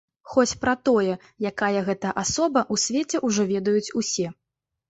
Хоць пра тое, якая гэта асоба, у свеце ўжо ведаюць усе.